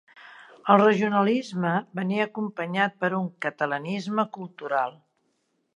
El regionalisme venia acompanyat per un catalanisme cultural.